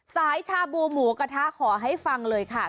ชาบูหมูกระทะขอให้ฟังเลยค่ะ